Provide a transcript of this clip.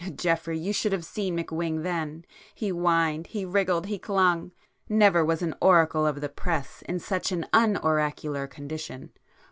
Geoffrey, you should have seen McWhing then! He whined, he wriggled, he clung! Never was an oracle of the press in such an unoracular condition.